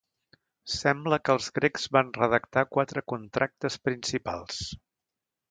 Sembla que els grecs van redactar quatre contractes principals.